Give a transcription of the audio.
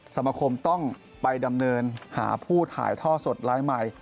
สมคมต้องไปดำเนินหาผู้ถ่ายท่อสดลายใหม่